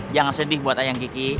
jangan sedih buat ayang kiki